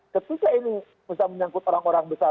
ketika ini bisa menyangkut orang orang besar